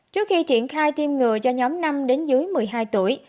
trước khi triển khai tiêm ngừa cho nhóm năm đến dưới một mươi hai tuổi